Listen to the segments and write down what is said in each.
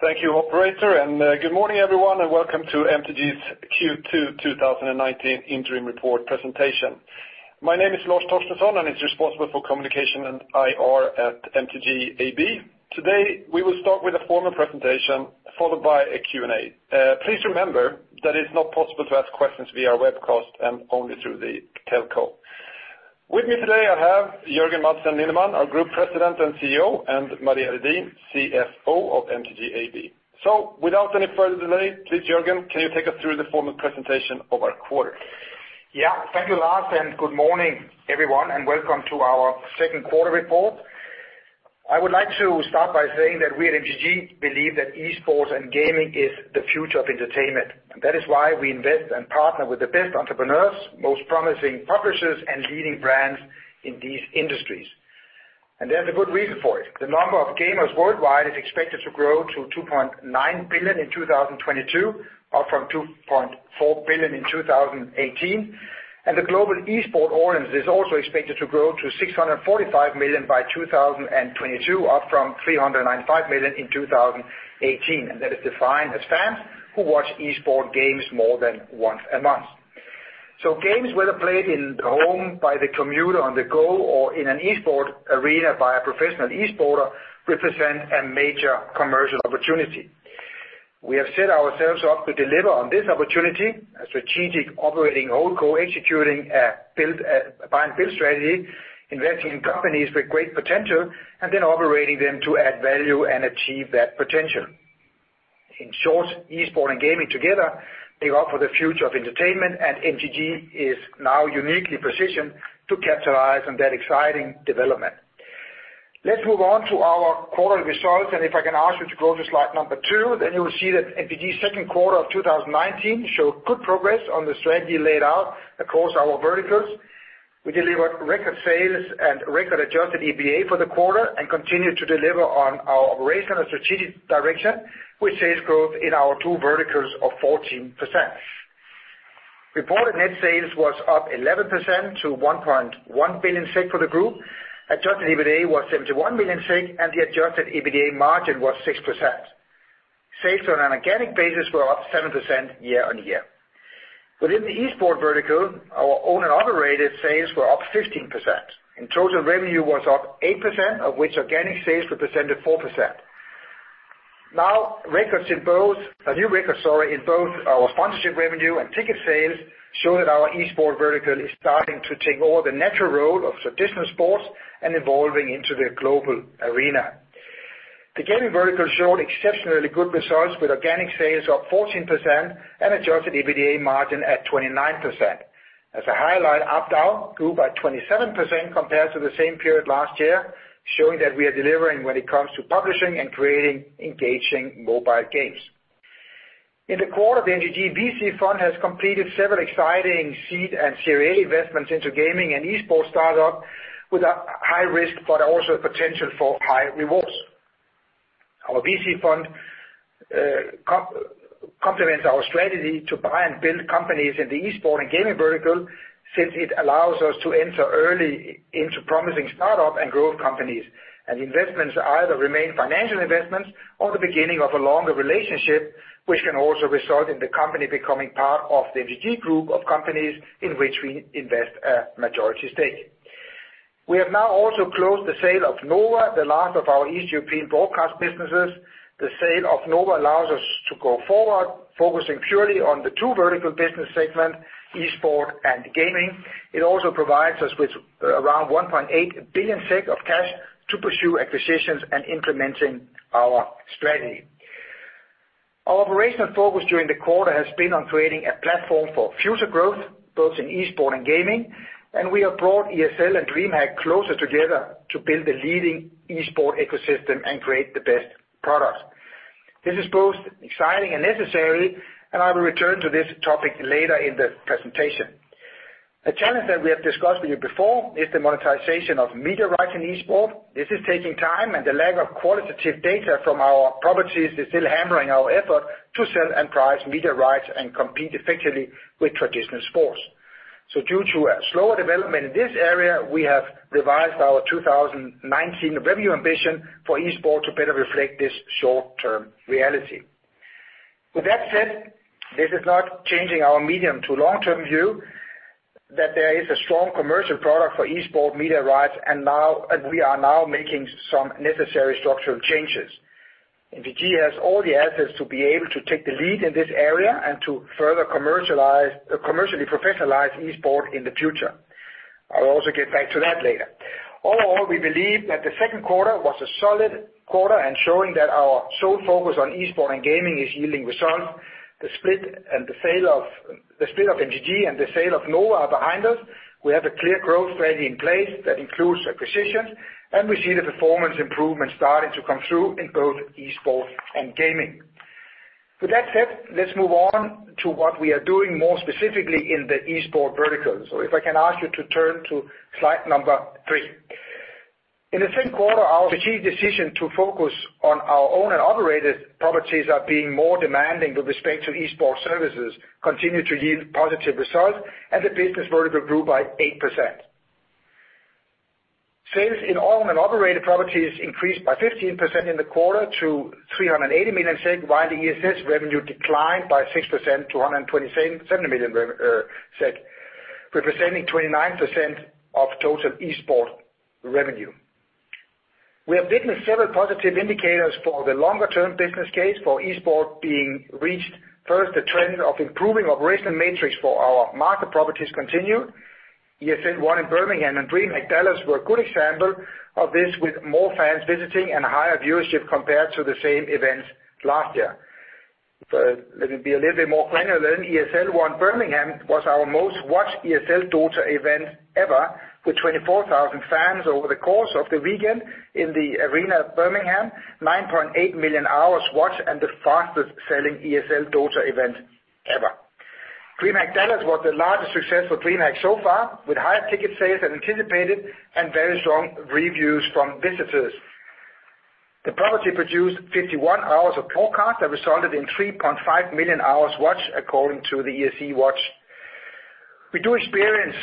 Thank you operator. Good morning everyone. Welcome to MTG's Q2 2019 interim report presentation. My name is Lars Torstensson, and I am responsible for communication and IR at MTG AB. Today, we will start with a formal presentation, followed by a Q&A. Please remember that it's not possible to ask questions via webcast and only through the telco. With me today I have Jørgen Madsen Lindemann, our Group President and CEO, and Maria Redin, CFO of MTG AB. Without any further delay, please Jørgen, can you take us through the formal presentation of our quarter? Yeah. Thank you Lars, and good morning everyone, and welcome to our second quarter report. I would like to start by saying that we at MTG believe that esports and gaming is the future of entertainment. That is why we invest and partner with the best entrepreneurs, most promising publishers, and leading brands in these industries. There's a good reason for it. The number of gamers worldwide is expected to grow to 2.9 billion in 2022, up from 2.4 billion in 2018. The global esport audience is also expected to grow to 645 million by 2022, up from 395 million in 2018. That is defined as fans who watch esport games more than once a month. Games whether played in the home, by the commuter on the go, or in an esport arena by a professional esporter, represent a major commercial opportunity. We have set ourselves up to deliver on this opportunity, a strategic operating whole co-executing a buy and build strategy, investing in companies with great potential, and then operating them to add value and achieve that potential. In short, esports and gaming together, they offer the future of entertainment. MTG is now uniquely positioned to capitalize on that exciting development. Let's move on to our quarterly results. If I can ask you to go to slide number 2, then you will see that MTG's second quarter of 2019 show good progress on the strategy laid out across our verticals. We delivered record sales and record adjusted EBITDA for the quarter and continued to deliver on our operational strategic direction with sales growth in our two verticals of 14%. Reported net sales was up 11% to 1.1 billion SEK for the group. Adjusted EBITDA was 71 million SEK, and the adjusted EBITDA margin was 6%. Sales on an organic basis were up 7% year-on-year. Within the esports vertical, our own operated sales were up 15%, and total revenue was up 8% of which organic sales represented 4%. A new record, sorry, in both our sponsorship revenue and ticket sales show that our esports vertical is starting to take over the natural role of traditional sports and evolving into the global arena. The gaming vertical showed exceptionally good results with organic sales up 14% and adjusted EBITDA margin at 29%. As a highlight, ARPDAU grew by 27% compared to the same period last year, showing that we are delivering when it comes to publishing and creating engaging mobile games. In the quarter, the MTG VC fund has completed several exciting seed and Series A investments into gaming and esports startups with a high risk, but also a potential for high rewards. Our VC fund complements our strategy to buy and build companies in the esport and gaming vertical since it allows us to enter early into promising startup and growth companies. The investments either remain financial investments or the beginning of a longer relationship, which can also result in the company becoming part of the MTG group of companies in which we invest a majority stake. We have now also closed the sale of Nova, the last of our East European broadcast businesses. The sale of Nova allows us to go forward, focusing purely on the two vertical business segments, esport and gaming. It also provides us with around 1.8 billion SEK of cash to pursue acquisitions and implementing our strategy. Our operational focus during the quarter has been on creating a platform for future growth, both in esport and gaming, and we have brought ESL and DreamHack closer together to build a leading esport ecosystem and create the best product. This is both exciting and necessary, and I will return to this topic later in the presentation. A challenge that we have discussed with you before is the monetization of media rights in esport. This is taking time and the lack of qualitative data from our properties is still hammering our effort to sell and price media rights and compete effectively with traditional sports. Due to a slower development in this area, we have revised our 2019 revenue ambition for esport to better reflect this short-term reality. With that said, this is not changing our medium to long-term view that there is a strong commercial product for esport media rights and we are now making some necessary structural changes. MTG has all the assets to be able to take the lead in this area and to further commercially professionalize esport in the future. I'll also get back to that later. All in all, we believe that the second quarter was a solid quarter and showing that our sole focus on esport and gaming is yielding results. The split of MTG and the sale of Nova are behind us. We have a clear growth strategy in place that includes acquisitions, and we see the performance improvements starting to come through in both esports and gaming. With that said, let's move on to what we are doing more specifically in the esport vertical. If I can ask you to turn to slide number 3. In the second quarter, our strategic decision to focus on our own and operated properties are being more demanding with respect to esports services continue to yield positive results, and the business vertical grew by 8%. Sales in owned and operated properties increased by 15% in the quarter to 380 million SEK, while the ESS revenue declined by 6%, 227 million SEK, representing 29% of total Esports revenue. We have witnessed several positive indicators for the longer-term business case for Esports being reached. First, the trend of improving operational metrics for our market properties continue. ESL One in Birmingham and DreamHack Dallas were a good example of this, with more fans visiting and higher viewership compared to the same events last year. Let me be a little bit more granular. ESL One Birmingham was our most-watched ESL Dota event ever, with 24,000 fans over the course of the weekend in the arena of Birmingham, 9.8 million hours watched, and the fastest-selling ESL Dota event ever. DreamHack Dallas was the largest success for DreamHack so far, with higher ticket sales than anticipated and very strong reviews from visitors. The property produced 51 hours of broadcast that resulted in 3.5 million hours watched according to the esc.watch. We do experience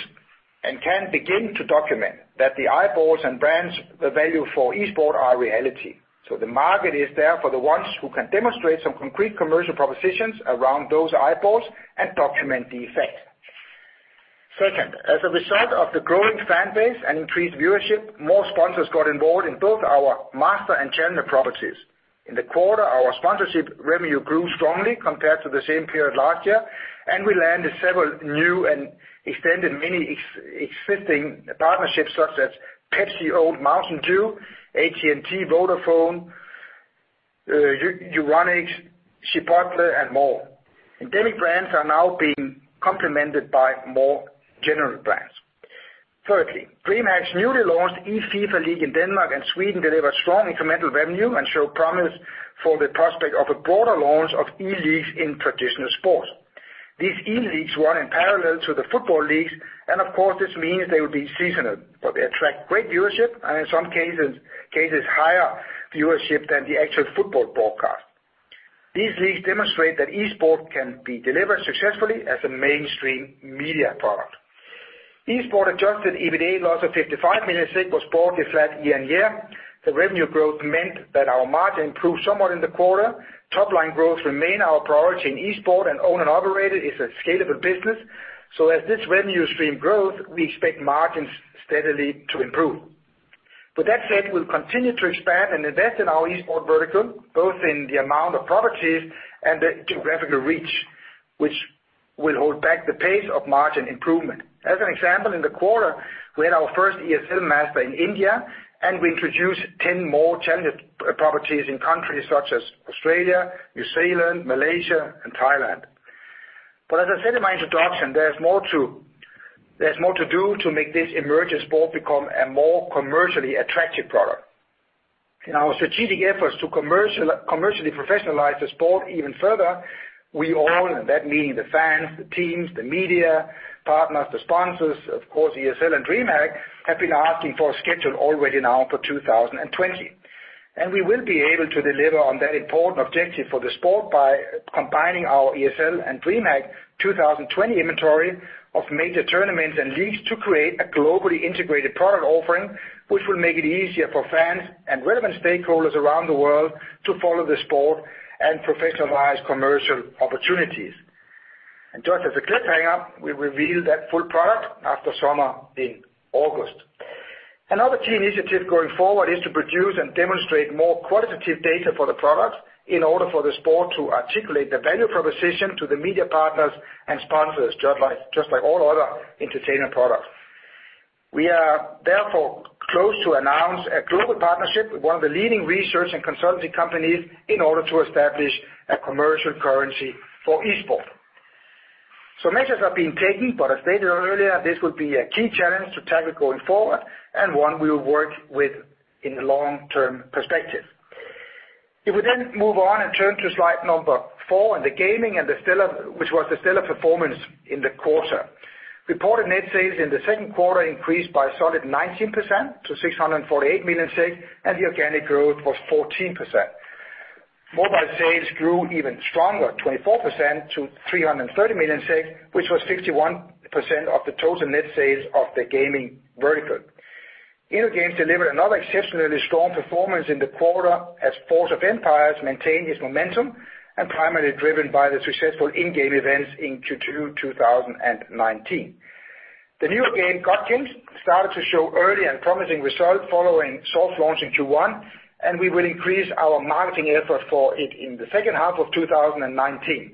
and can begin to document that the eyeballs and brands, the value for esports, are a reality. The market is there for the ones who can demonstrate some concrete commercial propositions around those eyeballs and document the effect. Second, as a result of the growing fan base and increased viewership, more sponsors got involved in both our master and challenger properties. In the quarter, our sponsorship revenue grew strongly compared to the same period last year, and we landed several new and extended many existing partnerships such as Pepsi, Mountain Dew, AT&T, Vodafone, Euronics, Chipotle, and more. Endemic brands are now being complemented by more general brands. Thirdly, DreamHack's newly launched eFIFA League in Denmark and Sweden delivered strong incremental revenue and showed promise for the prospect of a broader launch of E-Leagues in traditional sports. These E-Leagues run in parallel to the football leagues, and of course, this means they will be seasonal, but they attract great viewership and in some cases, higher viewership than the actual football broadcast. These leagues demonstrate that esports can be delivered successfully as a mainstream media product. esports adjusted EBITDA loss of 55 million was broadly flat year-on-year. The revenue growth meant that our margin improved somewhat in the quarter. Top-line growth remain our priority in Esports, and owned and operated is a scalable business. As this revenue stream grows, we expect margins steadily to improve. With that said, we'll continue to expand and invest in our esports vertical, both in the amount of properties and the geographical reach, which will hold back the pace of margin improvement. As an example, in the quarter, we had our first ESL One in India, and we introduced 10 more challenger properties in countries such as Australia, New Zealand, Malaysia, and Thailand. As I said in my introduction, there's more to do to make this emerging esport become a more commercially attractive product. In our strategic efforts to commercially professionalize the sport even further, we all, and that meaning the fans, the teams, the media partners, the sponsors, of course, ESL and DreamHack, have been asking for a schedule already now for 2020. We will be able to deliver on that important objective for the sport by combining our ESL and DreamHack 2020 inventory of major tournaments and leagues to create a globally integrated product offering, which will make it easier for fans and relevant stakeholders around the world to follow the sport and professionalize commercial opportunities. Just as a cliffhanger, we reveal that full product after summer in August. Another key initiative going forward is to produce and demonstrate more qualitative data for the product in order for the sport to articulate the value proposition to the media partners and sponsors, just like all other entertainment products. We are therefore close to announce a global partnership with one of the leading research and consulting companies in order to establish a commercial currency for Esports. Measures are being taken, but as stated earlier, this will be a key challenge to tackle going forward and one we will work within the long-term perspective. If we then move on and turn to slide number four in the gaming, which was the stellar performance in the quarter. Reported net sales in the second quarter increased by a solid 19% to 648 million, and the organic growth was 14%. Mobile sales grew even stronger, 24% to 330 million, which was 51% of the total net sales of the gaming vertical. InnoGames delivered another exceptionally strong performance in the quarter as Forge of Empires maintained its momentum and primarily driven by the successful in-game events in Q2 2019. The new game, God Kings, started to show early and promising results following soft launch in Q1, and we will increase our marketing effort for it in the second half of 2019.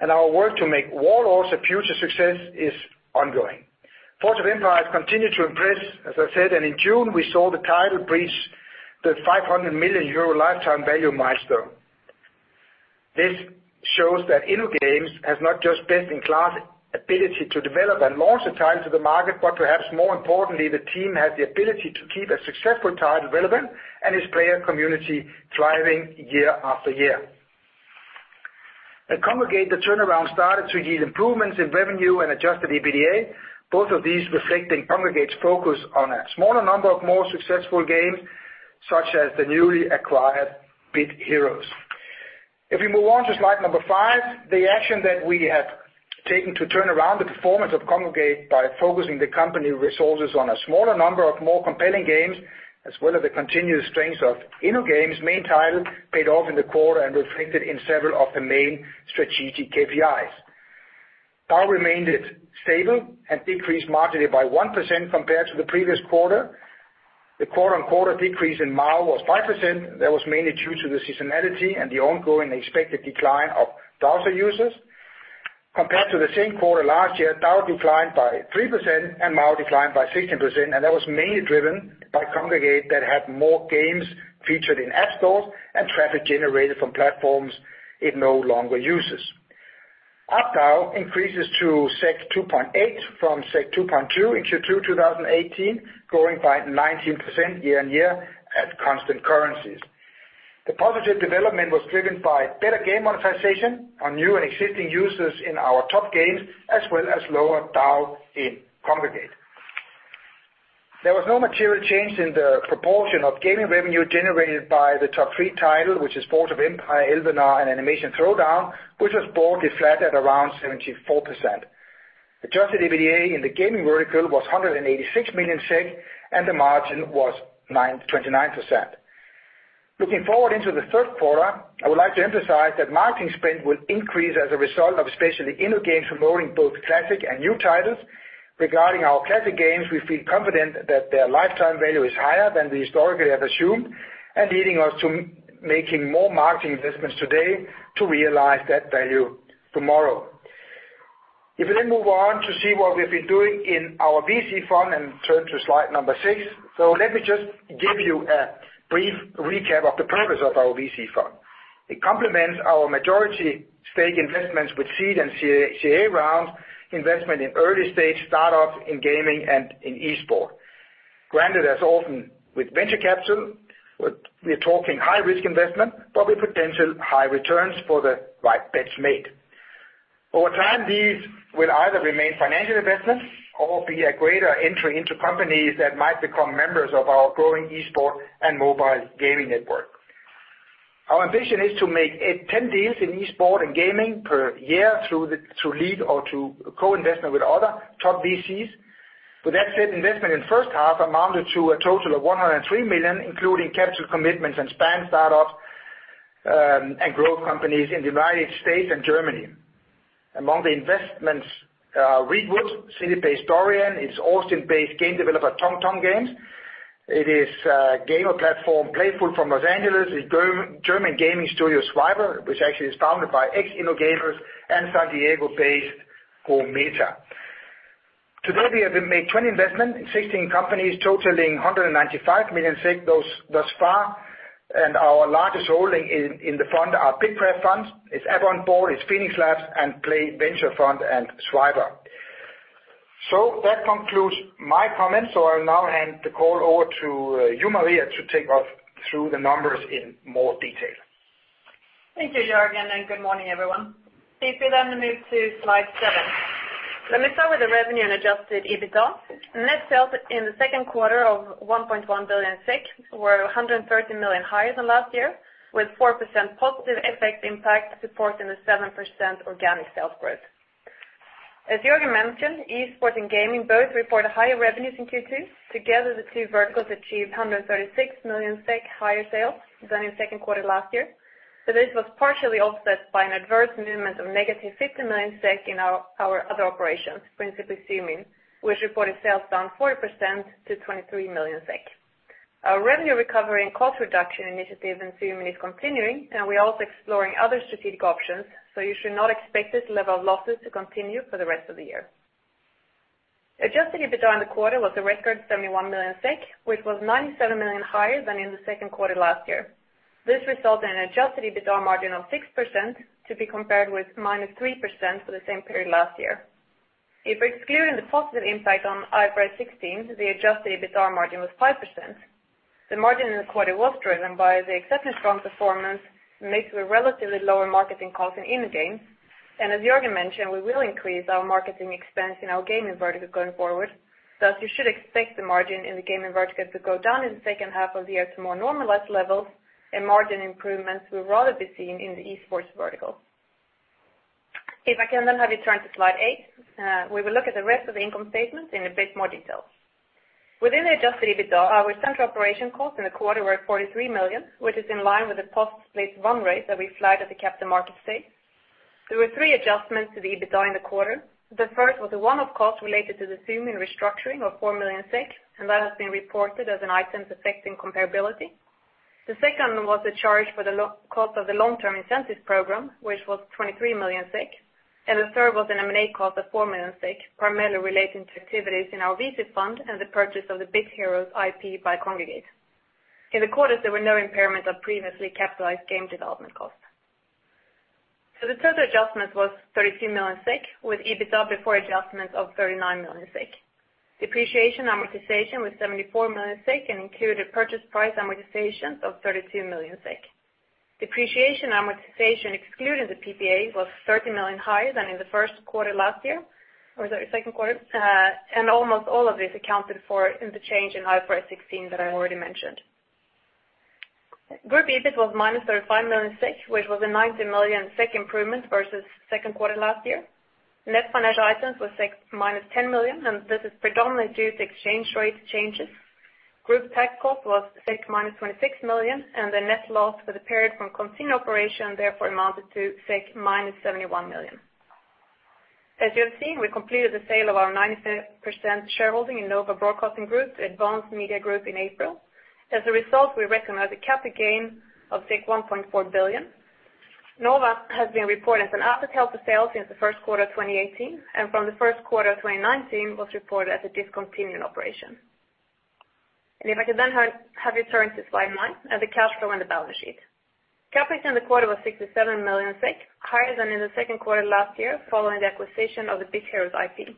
Our work to make Warlords a future success is ongoing. Forge of Empires continued to impress, as I said, in June we saw the title breach the 500 million euro lifetime value milestone. This shows that InnoGames has not just best-in-class ability to develop and launch the title to the market, but perhaps more importantly, the team has the ability to keep a successful title relevant and its player community thriving year after year. At Kongregate, the turnaround started to yield improvements in revenue and adjusted EBITDA, both of these reflecting Kongregate's focus on a smaller number of more successful games, such as the newly acquired Bit Heroes. If we move on to slide number 5, the action that we have taken to turn around the performance of Kongregate by focusing the company resources on a smaller number of more compelling games, as well as the continuous strengths of InnoGames' main title, paid off in the quarter and reflected in several of the main strategic KPIs. DAU remained stable and decreased markedly by 1% compared to the previous quarter. The quarter-on-quarter decrease in MAU was 5%. That was mainly due to the seasonality and the ongoing expected decline of browser users. Compared to the same quarter last year, DAU declined by 3% and MAU declined by 16%, and that was mainly driven by Kongregate that had more games featured in app stores and traffic generated from platforms it no longer uses. ARPDAU increases to 2.8 from 2.2 in Q2 2018, growing by 19% year-on-year at constant currencies. The positive development was driven by better game monetization on new and existing users in our top games, as well as lower DAU in Kongregate. There was no material change in the proportion of gaming revenue generated by the top three title, which is Forge of Empires, Elvenar, and Animation Throwdown, which was broadly flat at around 74%. Adjusted EBITDA in the gaming vertical was 186 million SEK, and the margin was 29%. Looking forward into the third quarter, I would like to emphasize that marketing spend will increase as a result of especially InnoGames promoting both classic and new titles. Regarding our classic games, we feel confident that their lifetime value is higher than we historically have assumed, leading us to making more marketing investments today to realize that value tomorrow. If we move on to see what we've been doing in our VC fund and turn to slide number six. Let me just give you a brief recap of the purpose of our VC fund. It complements our majority stake investments with seed and Series A rounds, investment in early stage start-ups in gaming and in esport. Granted, as often with venture capital, we're talking high-risk investment, but with potential high returns for the right bets made. Over time, these will either remain financial investments or be a greater entry into companies that might become members of our growing esport and mobile gaming network. Our ambition is to make 10 deals in esport and gaming per year through lead or through co-investment with other top VCs. With that said, investment in first half amounted to a total of 103 million, including capital commitments and span start-ups, and growth companies in the United States and Germany. Among the investments are Redwood, city-based Dorian, its Austin-based game developer Tonk Tonk Games. It is gamer platform Playfull from Los Angeles, a German gaming studio, Sviper, which actually is founded by ex-InnoGames and San Diego-based GoMeta. To date, we have made 20 investments in 16 companies totaling 195 million SEK thus far, and our largest holding in the fund are BITKRAFT funds, it's AppOnboard, it's Phoenix Labs, and Play Ventures Fund and Sviper. That concludes my comments. I'll now hand the call over to you, Maria, to take us through the numbers in more detail. Thank you, Jørgen, and good morning, everyone. Please feel free to move to slide 7. Let me start with the revenue and adjusted EBITDA. Net sales in the second quarter of 1.1 billion were 130 million higher than last year, with 4% positive FX impact supporting the 7% organic sales growth. As Jørgen mentioned, esports and gaming both report higher revenues in Q2. Together, the two verticals achieved 136 million higher sales than in the second quarter last year. This was partially offset by an adverse movement of -50 million SEK in our other operations, principally Zoomin, which reported sales down 4% to 23 million SEK. Our revenue recovery and cost reduction initiative in Zoomin is continuing, and we're also exploring other strategic options, so you should not expect this level of losses to continue for the rest of the year. Adjusted EBITDA in the quarter was a record 71 million SEK, which was 97 million higher than in the second quarter last year. This resulted in adjusted EBITDA margin of 6%, to be compared with -3% for the same period last year. If excluding the positive impact on IFRS 16, the adjusted EBITDA margin was 5%. The margin in the quarter was driven by the exceptional strong performance mixed with relatively lower marketing costs in InnoGames. As Jørgen mentioned, we will increase our marketing expense in our gaming vertical going forward. Thus, you should expect the margin in the gaming vertical to go down in the second half of the year to more normalized levels, and margin improvements will rather be seen in the esports vertical. If I can have you turn to slide 8 we will look at the rest of the income statement in a bit more detail. Within the adjusted EBITDA, our central operation costs in the quarter were 43 million, which is in line with the post-split run rate that we flagged at the Capital Markets Day. There were three adjustments to the EBITDA in the quarter. The first was a one-off cost related to the Zoomin restructuring of 4 million, that has been reported as an item affecting comparability. The second was a charge for the cost of the long-term incentive program, which was 23 million SEK. The third was an M&A cost of 4 million SEK, primarily relating to activities in our VC fund and the purchase of the Bit Heroes IP by Kongregate. In the quarter, there were no impairment of previously capitalized game development costs. The total adjustment was 32 million SEK, with EBITDA before adjustments of 39 million SEK. Depreciation amortization was 74 million SEK and included purchase price amortization of 32 million SEK. Depreciation amortization excluding the PPA was 30 million higher than in the second quarter last year, and almost all of this accounted for in the change in IFRS 16 that I already mentioned. Group EBIT was -35 million SEK, which was a 90 million SEK improvement versus second quarter last year. Net financial items was -10 million, this is predominantly due to exchange rate changes. Group tax cost was -26 million, the net loss for the period from continuing operation therefore amounted to -71 million. As you have seen, we completed the sale of our 90% shareholding in Nova Broadcasting Group to Advance Media Group in April. As a result, we recognized a capital gain of 1.4 billion. Nova has been reported as an asset held for sale since the first quarter of 2018, and from the first quarter of 2019, was reported as a discontinued operation. If I could then have you turn to slide 9, at the cash flow and the balance sheet. CapEx in the quarter was 67 million, higher than in the second quarter last year following the acquisition of the Bit Heroes IP.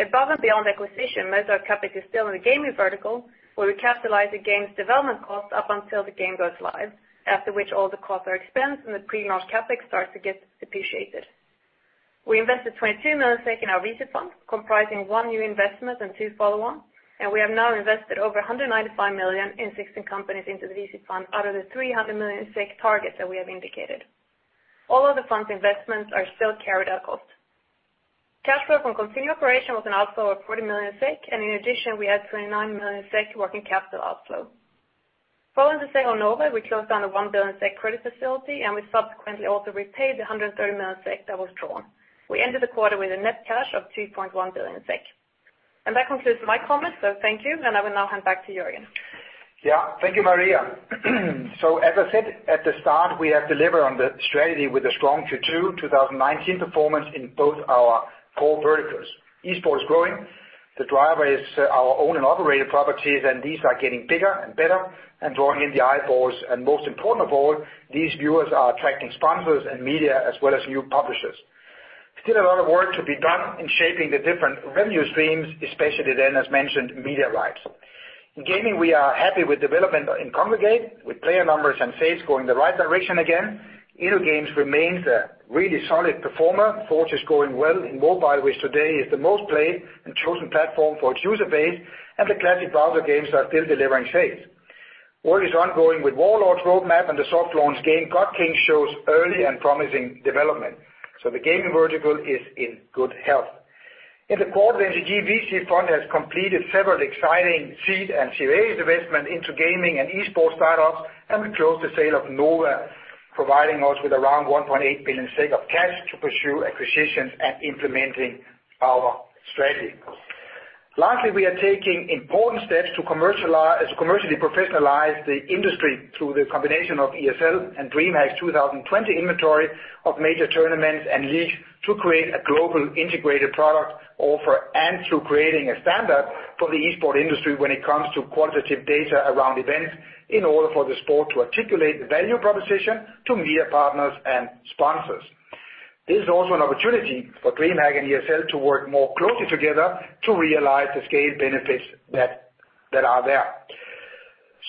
Above and beyond acquisition, most of our CapEx is still in the gaming vertical, where we capitalize the game's development cost up until the game goes live, after which all the costs are expensed and the pre-launch CapEx starts to get depreciated. We invested 22 million SEK in our VC fund, comprising one new investment and two follow-on, and we have now invested over 195 million SEK in 16 companies into the VC fund out of the 300 million SEK target that we have indicated. All of the fund's investments are still carried at cost. Cash flow from continuing operation was an outflow of 40 million SEK, and in addition, we had 29 million SEK working capital outflow. Following the sale of Nova, we closed down a 1 billion SEK credit facility and we subsequently also repaid the 130 million SEK that was drawn. We ended the quarter with a net cash of 2.1 billion SEK. That concludes my comments, so thank you, and I will now hand back to Jørgen. Thank you, Maria. As I said at the start, we have delivered on the strategy with a strong Q2 2019 performance in both our core verticals. Esports growing, the driver is our owned and operated properties, and these are getting bigger and better and drawing in the eyeballs. Most important of all, these viewers are attracting sponsors and media as well as new publishers. Still a lot of work to be done in shaping the different revenue streams, especially, as mentioned, media rights. In gaming, we are happy with development in Kongregate, with player numbers and sales going the right direction again. InnoGames remains a really solid performer. Forge is going well in mobile, which today is the most played and chosen platform for its user base, and the classic browser games are still delivering sales. Work is ongoing with Warlords roadmap, and the soft launch game, God Kings, shows early and promising development. The gaming vertical is in good health. In the quarter, MTG VC fund has completed several exciting seed and Series A investment into gaming and esports startups, and we closed the sale of Nova, providing us with around 1.8 billion of cash to pursue acquisitions and implementing our strategy. Lastly, we are taking important steps to commercially professionalize the industry through the combination of ESL and DreamHack's 2020 inventory of major tournaments and leagues to create a global integrated product offer and through creating a standard for the esport industry when it comes to qualitative data around events in order for the sport to articulate the value proposition to media partners and sponsors. This is also an opportunity for DreamHack and ESL to work more closely together to realize the scale benefits that are there.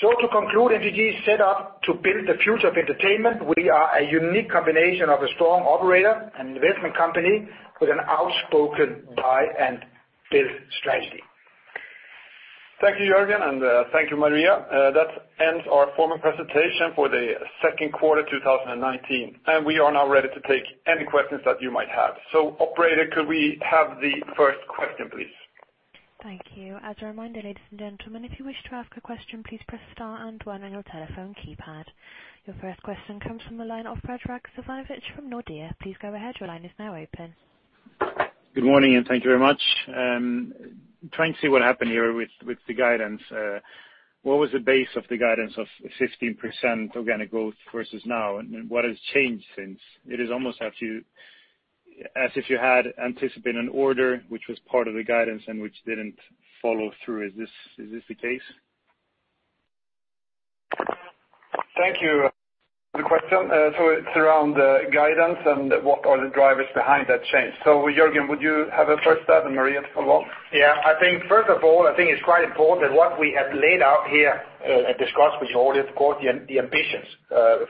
To conclude, MTG is set up to build the future of entertainment. We are a unique combination of a strong operator and investment company with an outspoken buy and build strategy. Thank you, Jörgen, and thank you, Maria. That ends our formal presentation for the second quarter 2019, and we are now ready to take any questions that you might have. Operator, could we have the first question, please? Thank you. As a reminder, ladies and gentlemen, if you wish to ask a question, please press star and one on your telephone keypad. Your first question comes from the line of Predrag Savinovic from Nordea. Please go ahead, your line is now open. Good morning, and thank you very much. Trying to see what happened here with the guidance. What was the base of the guidance of 15% organic growth versus now, and what has changed since? It is almost as if you had anticipated an order which was part of the guidance and which didn't follow through. Is this the case? Thank you for the question. It's around the guidance and what are the drivers behind that change. Jørgen, would you have a first stab and Maria follow on? Yeah. First of all, I think it's quite important what we have laid out here and discussed with you already, of course, the ambitions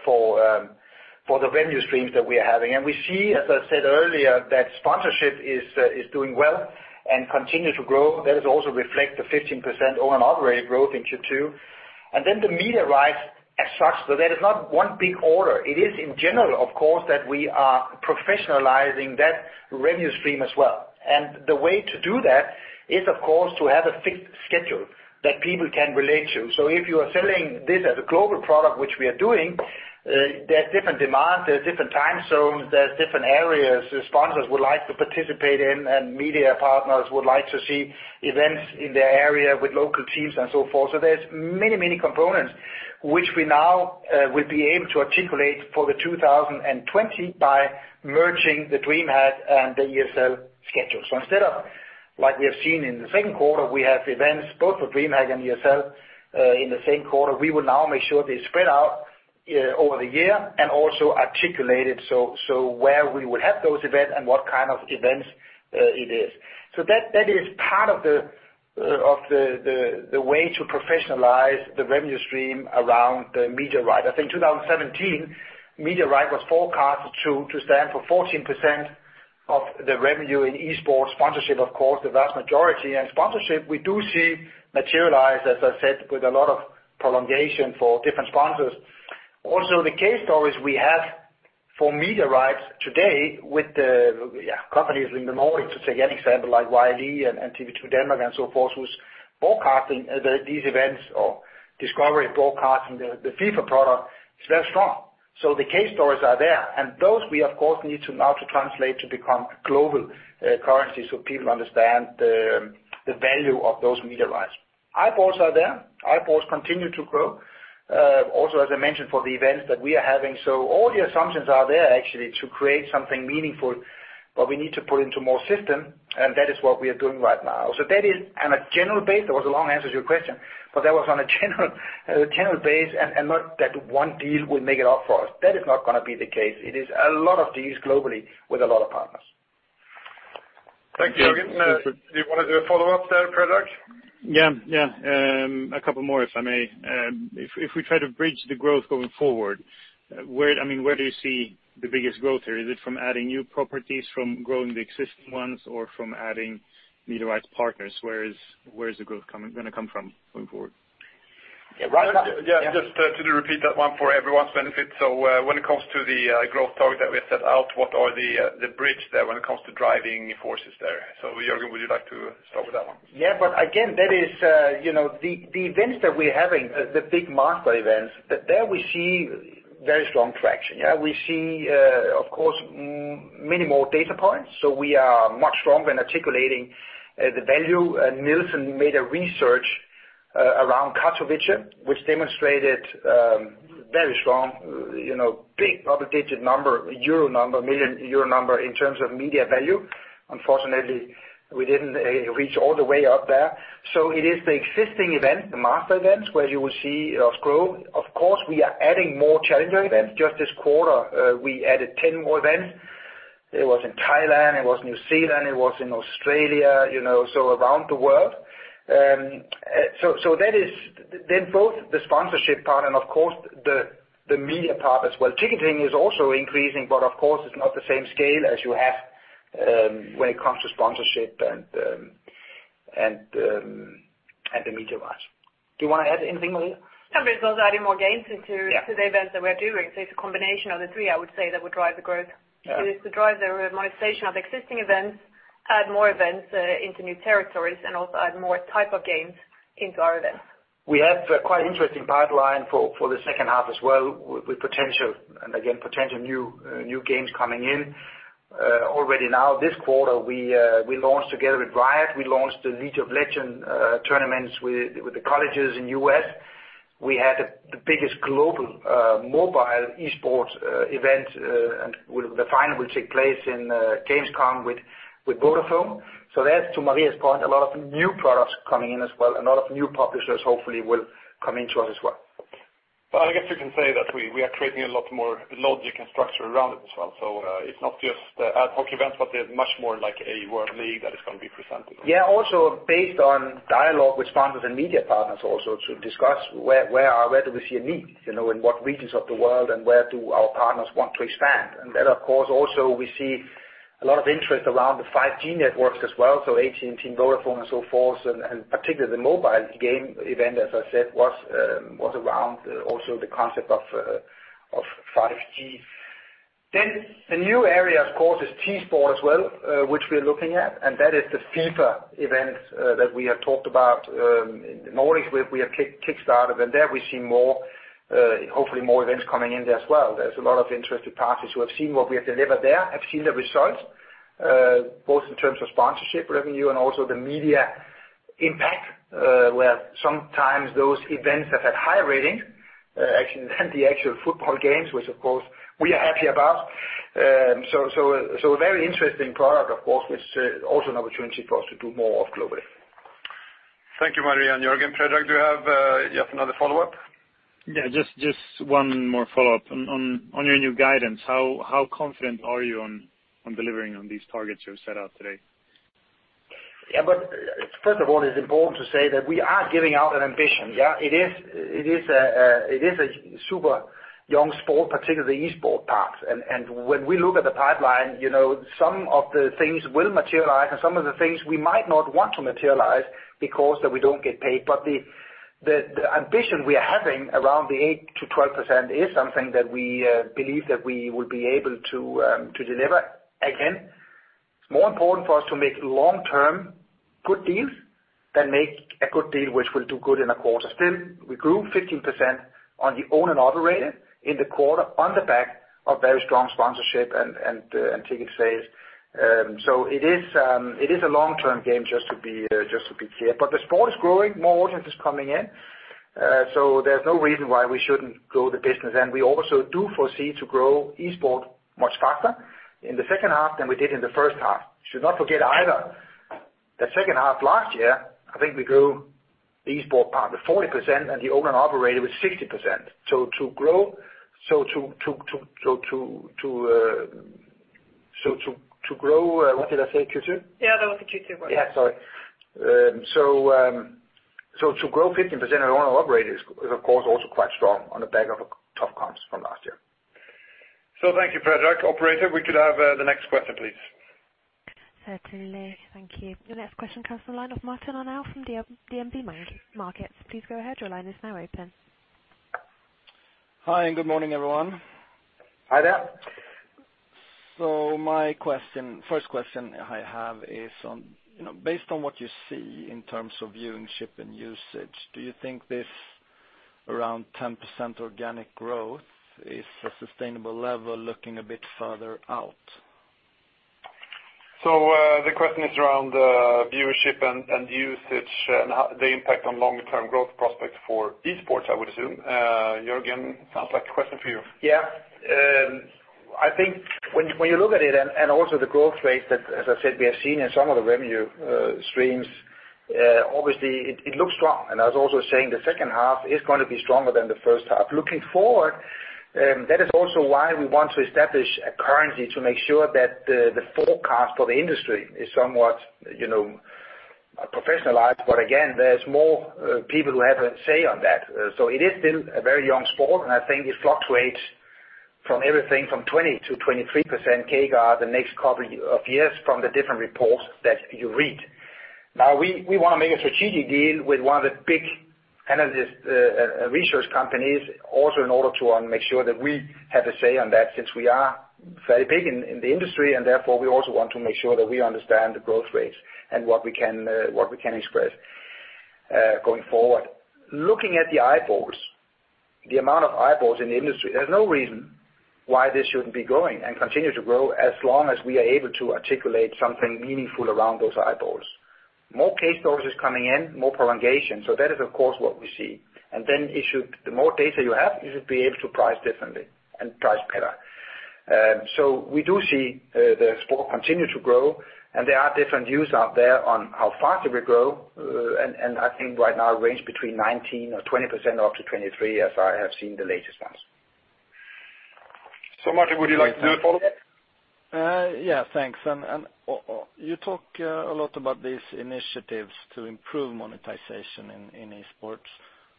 for the revenue streams that we are having. We see, as I said earlier, that sponsorship is doing well and continue to grow. That is also reflect the 15% owned and operated growth in Q2. The media rights as such. That is not one big order. It is in general, of course, that we are professionalizing that revenue stream as well. The way to do that is, of course, to have a fixed schedule that people can relate to. If you are selling this as a global product, which we are doing, there's different demands, there's different time zones, there's different areas the sponsors would like to participate in, and media partners would like to see events in their area with local teams and so forth. There's many components which we now will be able to articulate for the 2020 by merging the DreamHack and the ESL schedule. Instead of like we have seen in the second quarter, we have events both for DreamHack and ESL, in the same quarter, we will now make sure they spread out over the year and also articulated so where we would have those events and what kind of events it is. That is part of the way to professionalize the revenue stream around the media right. I think 2017, media right was forecasted to stand for 14% of the revenue in esports. Sponsorship, of course, the vast majority. Sponsorship, we do see materialize, as I said, with a lot of prolongation for different sponsors. Also, the case stories we have for media rights today with the companies in the Nordics, to take an example like Yle and TV 2 Denmark and so forth, who's broadcasting these events or Discovery broadcasting the FIFA product, it's very strong. The case stories are there, and those we of course need to now translate to become global currency so people understand the value of those media rights. Esports are there. Esports continue to grow. Also, as I mentioned for the events that we are having. All the assumptions are there actually to create something meaningful, but we need to put into more system, and that is what we are doing right now. That is on a general basis. That was a long answer to your question, but that was on a general basis and not that one deal will make it up for us. That is not going to be the case. It is a lot of deals globally with a lot of partners. Thank you, Jørgen. Do you want to do a follow-up there, Predrag? Yeah. A couple more, if I may. If we try to bridge the growth going forward, where do you see the biggest growth here? Is it from adding new properties, from growing the existing ones, or from adding media rights partners? Where is the growth going to come from going forward? Yeah. Just to repeat that one for everyone's benefit. When it comes to the growth target that we have set out, what are the bridge there when it comes to driving forces there? Jørgen, would you like to start with that one? Again, the events that we're having, the big master events, there we see very strong traction. Yeah. We see, of course, many more data points. We are much stronger in articulating the value. Nielsen made a research around Katowice which demonstrated very strong, big double-digit number, euro number, million euro number in terms of media value. Unfortunately, we didn't reach all the way up there. It is the existing event, the master events, where you will see us grow. Of course, we are adding more challenger events. Just this quarter, we added 10 more events. It was in Thailand, it was New Zealand, it was in Australia, around the world. That is both the sponsorship part and of course the media part as well. Ticketing is also increasing, but of course it's not the same scale as you have when it comes to sponsorship and the media rights. Do you want to add anything, Maria? Somebody's also adding more games. Yeah. the events that we're doing. It's a combination of the three, I would say, that would drive the growth. Yeah. It is to drive the monetization of existing events, add more events into new territories, and also add more type of games into our events. We have quite an interesting pipeline for the second half as well with potential new games coming in. Already now this quarter, we launched together with Riot, we launched the League of Legends tournaments with the colleges in U.S. We had the biggest global mobile esports event, and the final will take place in gamescom with Vodafone. That's, to Maria's point, a lot of new products coming in as well. A lot of new publishers hopefully will come into us as well. I guess we can say that we are creating a lot more logic and structure around it as well. It's not just ad hoc events, but there's much more like a world league that is going to be presented. Yeah. Also based on dialogue with sponsors and media partners also to discuss where do we see a need, in what regions of the world and where do our partners want to expand? That, of course, also we see a lot of interest around the 5G networks as well, so AT&T, Vodafone and so forth, and particularly the mobile game event, as I said, was around also the concept of 5G. A new area, of course, is esports as well, which we're looking at, and that is the FIFA event that we have talked about in the Nordics, where we have kickstarted, and there we see hopefully more events coming in there as well. There's a lot of interested parties who have seen what we have delivered there, have seen the results, both in terms of sponsorship revenue and also the media impact, where sometimes those events have had higher ratings actually than the actual football games, which, of course, we are happy about. A very interesting product, of course, which is also an opportunity for us to do more of globally. Thank you, Maria and Jørgen. Predrag, do you have another follow-up? Yeah, just one more follow-up. On your new guidance, how confident are you on delivering on these targets you have set out today? First of all, it's important to say that we are giving out an ambition. It is a super young sport, particularly the esports part. When we look at the pipeline, some of the things will materialize and some of the things we might not want to materialize because we don't get paid. The ambition we are having around the 8%-12% is something that we believe that we will be able to deliver. Again, it's more important for us to make long-term good deals than make a good deal which will do good in a quarter. Still, we grew 15% on the owned and operated in the quarter on the back of very strong sponsorship and ticket sales. It is a long-term game, just to be clear. The sport is growing, more audience is coming in. There's no reason why we shouldn't grow the business. We also do foresee to grow esports much faster in the second half than we did in the first half. Should not forget either, the second half last year, I think we grew the esports part with 40% and the owned and operated with 60%. To grow, what did I say, Q2? Yeah, that was the Q2 one. Yeah, sorry. To grow 15% in owned and operated is of course also quite strong on the back of tough comps from last year. Thank you, Predrag. Operator, we could have the next question, please. Certainly. Thank you. The next question comes from the line of Martin Arnell from DNB Markets. Please go ahead. Your line is now open. Hi, good morning, everyone. Hi there. My first question I have is, based on what you see in terms of viewership and usage, do you think this around 10% organic growth is a sustainable level, looking a bit further out? The question is around viewership and usage, and the impact on long-term growth prospects for esports, I would assume. Jørgen, sounds like a question for you. I think when you look at it, also the growth rates that, as I said, we have seen in some of the revenue streams, obviously, it looks strong. I was also saying the second half is going to be stronger than the first half. Looking forward, that is also why we want to establish a currency to make sure that the forecast for the industry is somewhat professionalized. Again, there's more people who have a say on that. It is still a very young sport, and I think it fluctuates from everything from 20%-23% CAGR the next couple of years from the different reports that you read. We want to make a strategic deal with one of the big analyst research companies also in order to make sure that we have a say on that, since we are very big in the industry, and therefore we also want to make sure that we understand the growth rates and what we can express going forward. Looking at the eyeballs, the amount of eyeballs in the industry, there's no reason why this shouldn't be growing and continue to grow as long as we are able to articulate something meaningful around those eyeballs. More case sources coming in, more prolongation. That is, of course, what we see. The more data you have, you should be able to price differently and price better. We do see the sport continue to grow, and there are different views out there on how fast it will grow. I think right now ranged between 19% or 20% up to 23%, as I have seen the latest ones. Martin, would you like to do a follow-up? Yeah, thanks. You talk a lot about these initiatives to improve monetization in esports.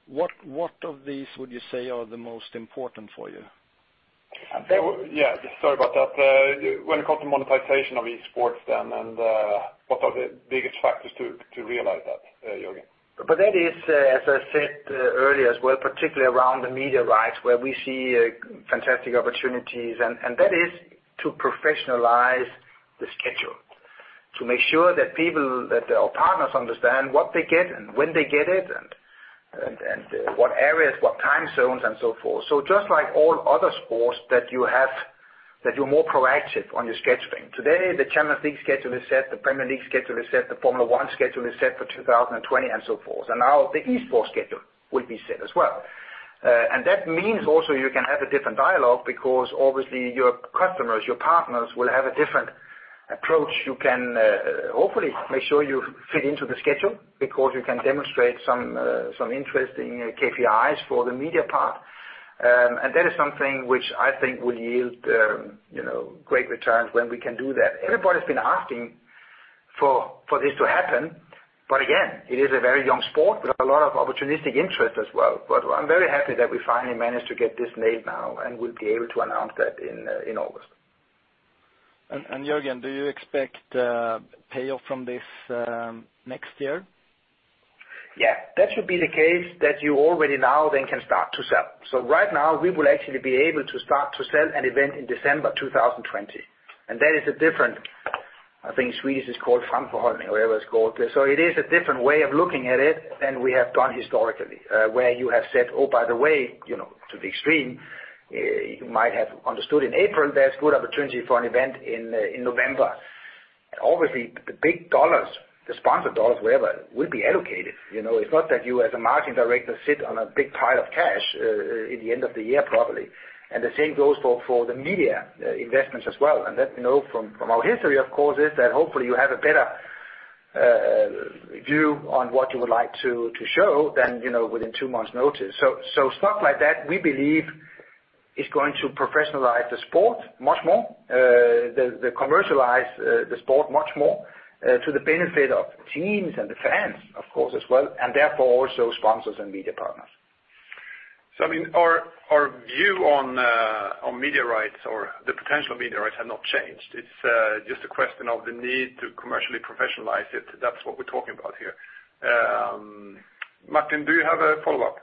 What of these would you say are the most important for you? Yeah, sorry about that. When it comes to monetization of esports, what are the biggest factors to realize that, Jørgen? That is, as I said earlier as well, particularly around the media rights where we see fantastic opportunities, and that is to professionalize the schedule, to make sure that our partners understand what they get and when they get it, and what areas, what time zones and so forth. Just like all other sports that you're more proactive on your scheduling. Today, the Champions League schedule is set, the Premier League schedule is set, the Formula One schedule is set for 2020 and so forth. Now the esports schedule will be set as well. That means also you can have a different dialogue because obviously your customers, your partners will have a different approach. You can hopefully make sure you fit into the schedule because you can demonstrate some interesting KPIs for the media part. That is something which I think will yield great returns when we can do that. Everybody's been asking for this to happen. Again, it is a very young sport with a lot of opportunistic interest as well. I'm very happy that we finally managed to get this made now, and we'll be able to announce that in August. Jørgen, do you expect payoff from this next year? Yeah. That should be the case that you already now can start to sell. Right now we will actually be able to start to sell an event in December 2020. That is a different, I think in Swedish it's called or whatever it's called. It is a different way of looking at it than we have done historically, where you have said, "Oh, by the way," to the extreme, you might have understood in April there's good opportunity for an event in November. Obviously, the big dollars, the sponsor dollars, wherever, will be allocated. It's not that you as a marketing director sit on a big pile of cash in the end of the year, probably. The same goes for the media investments as well. That from our history, of course, is that hopefully you have a better view on what you would like to show than within two months notice. Stuff like that we believe is going to professionalize the sport much more, commercialize the sport much more, to the benefit of teams and the fans, of course, as well, and therefore also sponsors and media partners. I mean, our view on media rights or the potential media rights have not changed. It's just a question of the need to commercially professionalize it. That's what we're talking about here. Martin, do you have a follow-up?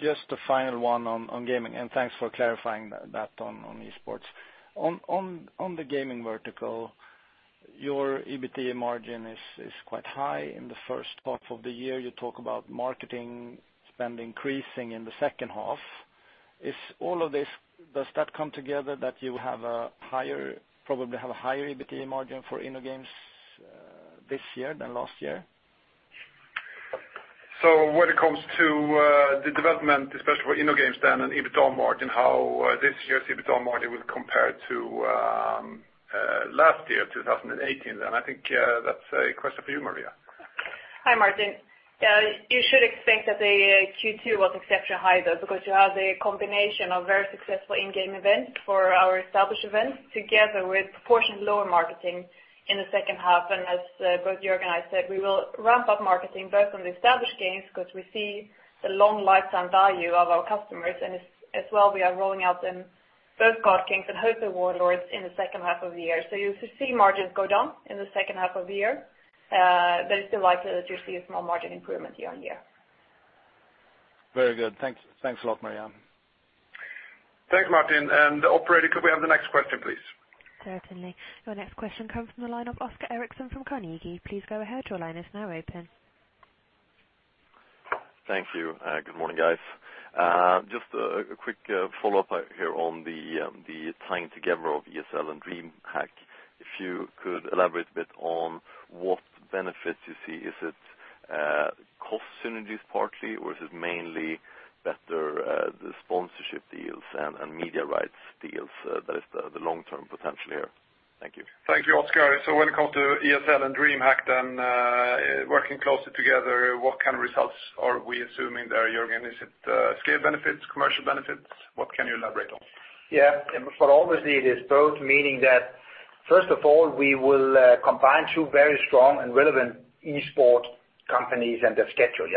Just a final one on gaming. Thanks for clarifying that on esports. On the gaming vertical, your EBITDA margin is quite high in the first half of the year. You talk about marketing spend increasing in the second half. Does that come together that you probably have a higher EBITDA margin for InnoGames this year than last year? When it comes to the development, especially for InnoGames then and EBITDA margin, how this year's EBITDA margin will compare to last year, 2018, then I think that's a question for you, Maria. Hi, Martin. You should expect that the Q2 was exceptionally high, though, because you have the combination of very successful in-game event for our established events together with proportion lower marketing in the second half. As both Jørgen and I said, we will ramp up marketing both on the established games because we see the long lifetime value of our customers, and as well we are rolling out in both God Kings and Warlords in the second half of the year. You should see margins go down in the second half of the year. It's still likely that you see a small margin improvement year-on-year. Very good. Thanks a lot, Maria. Thanks, Martin. Operator, could we have the next question, please? Certainly. Your next question comes from the line of Oskar Erixon from Carnegie. Please go ahead. Your line is now open. Thank you. Good morning, guys. Just a quick follow-up here on the tying together of ESL and DreamHack. If you could elaborate a bit on what benefits you see, is it cost synergies partly, or is it mainly better sponsorship deals and media rights deals that is the long-term potential here? Thank you. Thank you, Oskar. When it comes to ESL and DreamHack, then working closely together, what kind of results are we assuming there, Jørgen? Is it scale benefits, commercial benefits? What can you elaborate on? Obviously it is both, meaning that first of all, we will combine two very strong and relevant esports companies and their schedule.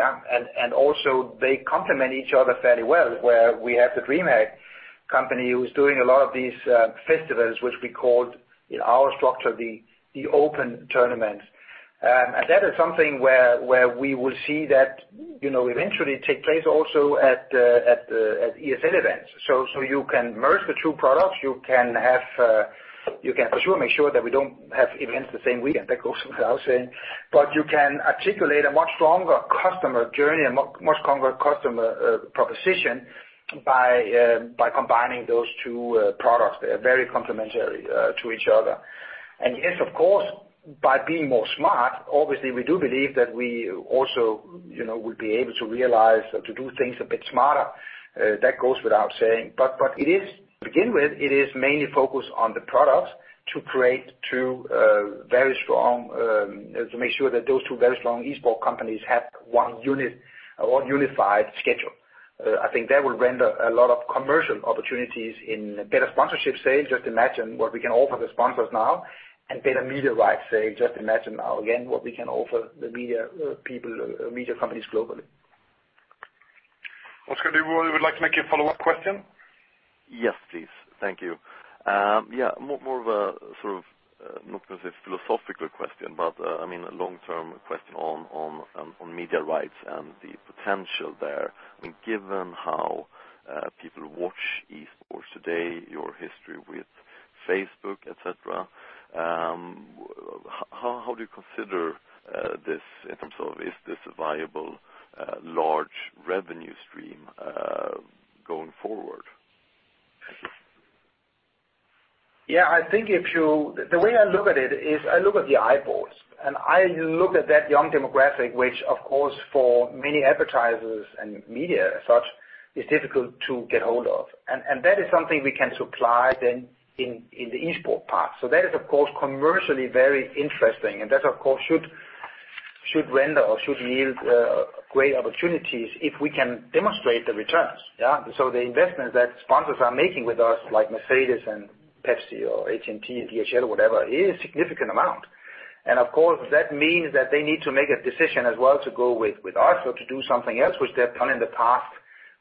Also they complement each other fairly well, where we have the DreamHack company who's doing a lot of these festivals, which we called in our structure the open tournaments. That is something where we will see that eventually take place also at ESL events. You can merge the two products. You can for sure make sure that we don't have events the same weekend, that goes without saying, but you can articulate a much stronger customer journey and much stronger customer proposition by combining those two products. They are very complementary to each other. Yes, of course, by being smarter, obviously we do believe that we also will be able to realize or to do things a bit smarter, that goes without saying. To begin with, it is mainly focused on the products to make sure that those two very strong esports companies have one unified schedule. I think that will render a lot of commercial opportunities in better sponsorship sales. Just imagine what we can offer the sponsors now and better media rights sale. Just imagine now again, what we can offer the media companies globally. Oskar, do you like to make a follow-up question? Yes, please. Thank you. More of a sort of, not necessarily a philosophical question, but a long-term question on media rights and the potential there. Given how people watch esports today, your history with Facebook, et cetera, how do you consider this in terms of, is this a viable large revenue stream going forward? Thank you. The way I look at it is I look at the eyeballs, and I look at that young demographic, which of course for many advertisers and media as such, is difficult to get hold of. That is something we can supply then in the esports part. That is of course commercially very interesting, and that of course should render or should yield great opportunities if we can demonstrate the returns. The investments that sponsors are making with us, like Mercedes and Pepsi or AT&T, DHL, whatever, is a significant amount. Of course, that means that they need to make a decision as well to go with us or to do something else, which they've done in the past,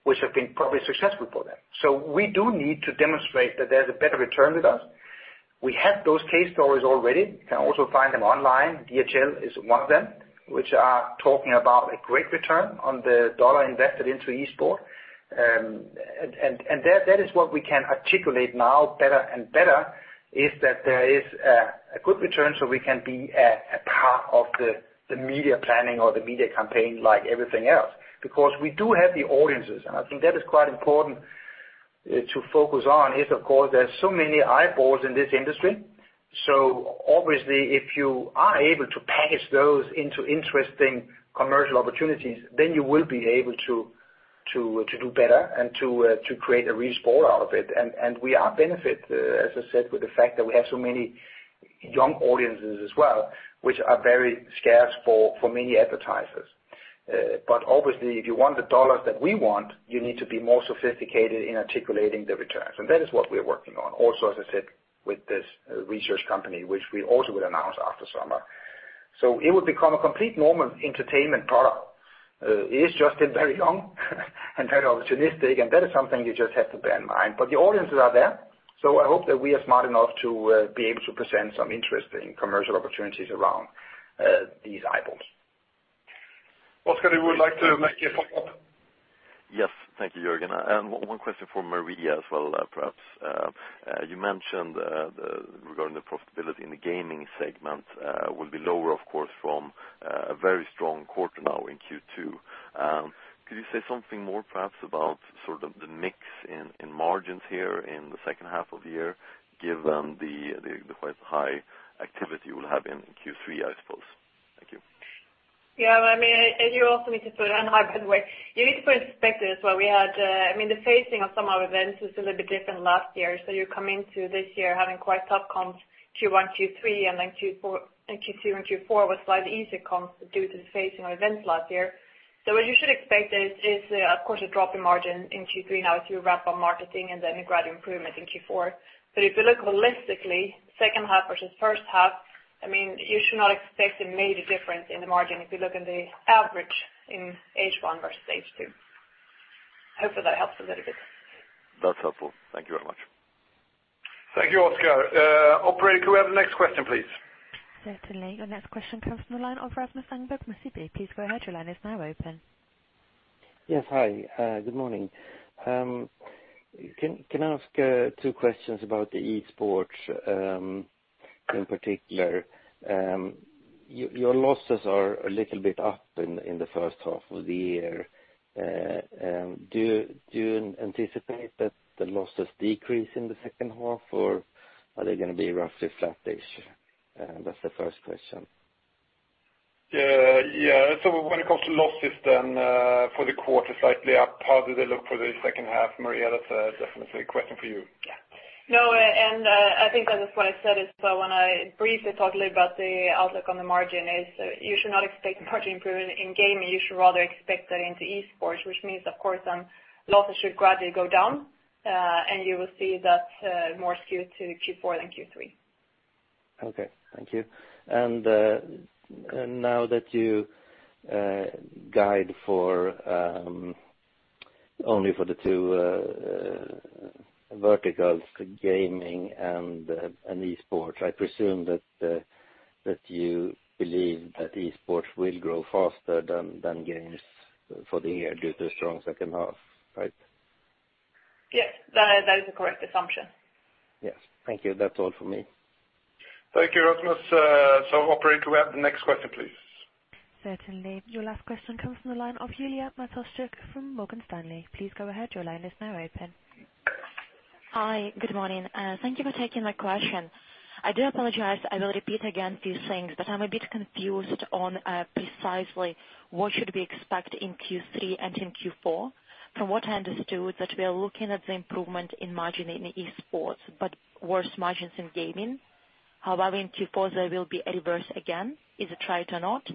which have been probably successful for them. We do need to demonstrate that there's a better return with us. We have those case stories already. You can also find them online. DHL is one of them, which are talking about a great return on the dollar invested into esports. That is what we can articulate now better and better, is that there is a good return so we can be a part of the media planning or the media campaign like everything else. We do have the audiences, and I think that is quite important to focus on is of course there are so many eyeballs in this industry. Obviously if you are able to package those into interesting commercial opportunities, you will be able to do better and to create a real sport out of it. We are benefit, as I said, with the fact that we have so many young audiences as well, which are very scarce for many advertisers. Obviously if you want the dollars that we want, you need to be more sophisticated in articulating the returns. That is what we're working on. Also, as I said, with this research company, which we also will announce after summer. It will become a complete moment entertainment product. It is just in very young and very opportunistic, and that is something you just have to bear in mind, but the audiences are there. I hope that we are smart enough to be able to present some interesting commercial opportunities around these eyeballs. Oskar, would you like to make a follow-up? Yes. Thank you, Jørgen. One question for Maria as well, perhaps. You mentioned regarding the profitability in the gaming segment will be lower, of course, from a very strong quarter now in Q2. Could you say something more perhaps about sort of the mix in margins here in the second half of the year, given the quite high activity you will have in Q3, I suppose? Thank you. Yeah. You also need to put it in high, by the way. You need to put it in perspective as well. The phasing of some of our events was a little bit different last year. You come into this year having quite tough comps Q1, Q3, and then Q2 and Q4 was slightly easier comps due to the phasing of events last year. What you should expect is of course a drop in margin in Q3 now as you wrap up marketing and then a gradual improvement in Q4. If you look holistically, second half versus first half, you should not expect a major difference in the margin if you look in the average in H1 versus H2. Hopefully that helps a little bit. That's helpful. Thank you very much. Thank you, Oskar. Operator, could we have the next question, please? Certainly. Your next question comes from the line of Rasmus Engberg from [Handelsbanken]. Please go ahead. Your line is now open. Yes. Hi, good morning. Can I ask two questions about the esports in particular? Your losses are a little bit up in the first half of the year. Do you anticipate that the losses decrease in the second half, or are they going to be roughly flat-ish? That's the first question. Yeah. When it comes to losses then for the quarter, slightly up. How does it look for the second half, Maria? That's definitely a question for you. Yeah. No, I think that is what I said is when I briefly talked about the outlook on the margin is you should not expect margin improvement in gaming. You should rather expect that into esports, which means of course, then losses should gradually go down, and you will see that more skewed to Q4 than Q3. Okay. Thank you. Now that you guide only for the two verticals, gaming and esports, I presume that you believe that esports will grow faster than games for the year due to strong second half, right? Yes, that is the correct assumption. Yes. Thank you. That's all for me. Thank you, Rasmus. Operator, can we have the next question, please? Certainly. Your last question comes from the line of Julia Matoshchuk from Morgan Stanley. Please go ahead. Your line is now open. Hi. Good morning. Thank you for taking my question. I do apologize, I will repeat again these things, but I'm a bit confused on precisely what should we expect in Q3 and in Q4. From what I understood, that we are looking at the improvement in margin in esports, but worse margins in gaming. However, in Q4, there will be a reverse again. Is it right or not.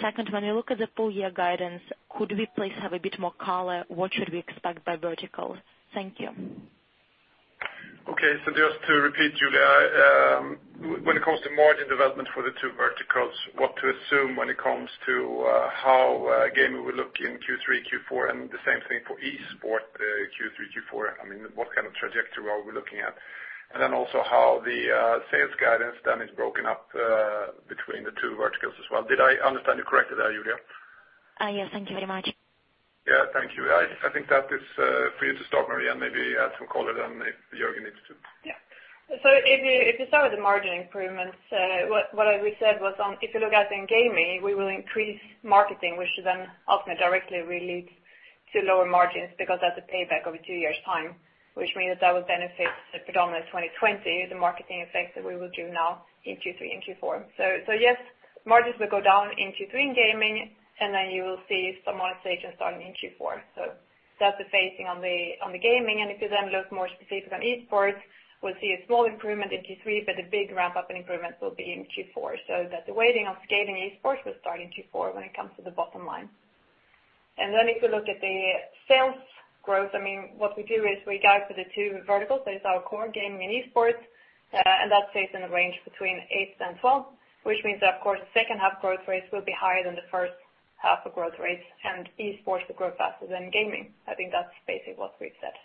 Second, when you look at the full year guidance, could we please have a bit more color? What should we expect by verticals? Thank you. Okay. Just to repeat, Julia, when it comes to margin development for the two verticals, what to assume when it comes to how gaming will look in Q3, Q4, and the same thing for esports Q3, Q4. What kind of trajectory are we looking at? Also how the sales guidance then is broken up between the two verticals as well. Did I understand you correctly there, Julia? Yes. Thank you very much. Yeah, thank you. I think that is for you to start, Maria, maybe add some color, then if Jørgen needs to. If you start with the margin improvements, what we said was, in gaming, we will increase marketing, which then ultimately directly relates to lower margins because that's a payback over two years' time, which means that that will benefit predominant 2020, the marketing effects that we will do now in Q3 and Q4. Yes, margins will go down in Q3 in gaming, and then you will see some monetization starting in Q4. That's the phasing on the gaming. If you look more specifically on esports, we'll see a small improvement in Q3, but the big ramp-up and improvements will be in Q4. That the weighting of scaling esports will start in Q4 when it comes to the bottom line. If you look at the sales growth, what we do is we guide for the two verticals. It's our core gaming and esports, and that stays in the range between eight and 12, which means that, of course, second half growth rates will be higher than the first half of growth rates and esports will grow faster than gaming. I think that's basically what we've said.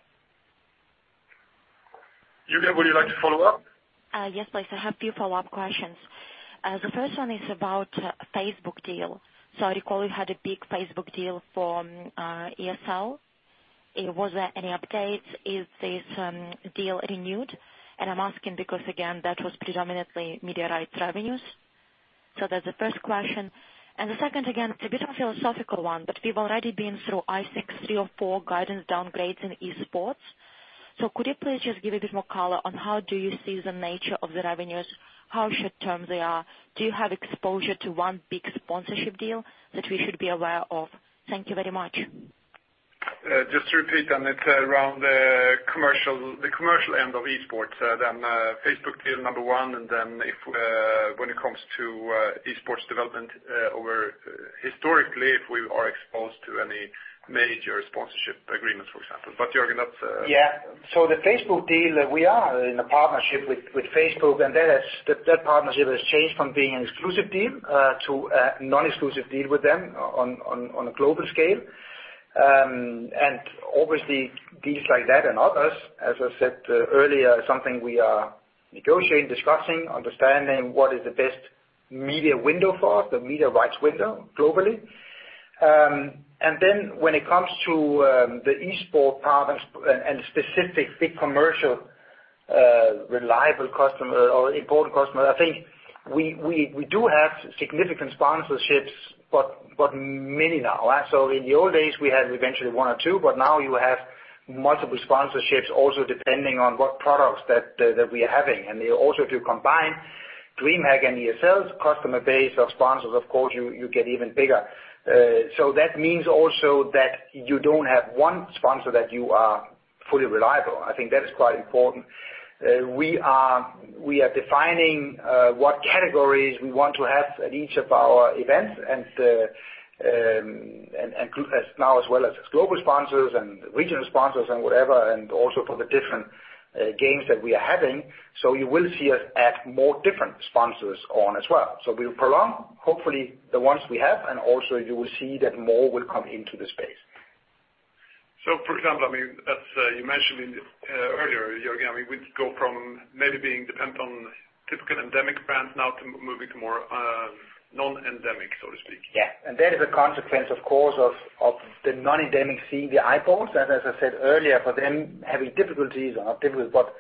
Julia, would you like to follow up? Yes, please. I have two follow-up questions. The first one is about Facebook deal. I recall you had a big Facebook deal from ESL. Was there any updates? Is this deal renewed? I'm asking because again, that was predominantly media rights revenues. That's the first question. The second, again, it's a bit of a philosophical one, but we've already been through, I think, three or four guidance downgrades in esports. Could you please just give a bit more color on how do you see the nature of the revenues? How short-term they are? Do you have exposure to one big sponsorship deal that we should be aware of? Thank you very much. To repeat, it's around the commercial end of esports, Facebook deal number 1, when it comes to esports development over historically, if we are exposed to any major sponsorship agreements, for example. Jørgen, that's- The Facebook deal, we are in a partnership with Facebook, that partnership has changed from being an exclusive deal to a non-exclusive deal with them on a global scale. Obviously deals like that and others, as I said earlier, are something we are negotiating, discussing, understanding what is the best media window for us, the media rights window globally. Then when it comes to the esport partners and specific big commercial, reliable customer or important customer, I think we do have significant sponsorships, but many now. In the old days, we had eventually one or two, but now you have multiple sponsorships also depending on what products that we are having. Also to combine DreamHack and ESL's customer base of sponsors, of course, you get even bigger. That means also that you don't have one sponsor that you are fully reliable. I think that is quite important. We are defining what categories we want to have at each of our events, and now as well as global sponsors and regional sponsors and whatever, and also for the different games that we are having. You will see us add more different sponsors on as well. We'll prolong hopefully the ones we have, and also you will see that more will come into the space. For example, as you mentioned earlier, Jørgen, we'd go from maybe being dependent on typical endemic brands now to moving to more non-endemic, so to speak. Yes. That is a consequence, of course, of the non-endemic seeing the eyeballs, as I said earlier, for them having difficulties or not difficulties, but